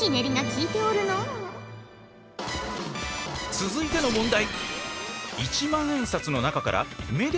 続いての問題。